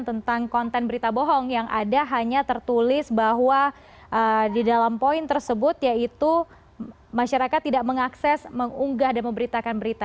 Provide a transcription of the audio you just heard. tentang konten berita bohong yang ada hanya tertulis bahwa di dalam poin tersebut yaitu masyarakat tidak mengakses mengunggah dan memberitakan berita